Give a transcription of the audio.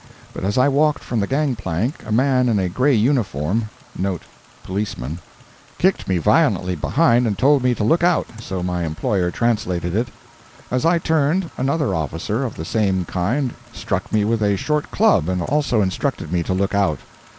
But as I walked from the gang plank a man in a gray uniform* kicked me violently behind and told me to look out—so my employer translated it. As I turned, another officer of the same kind struck me with a short club and also instructed me to look out.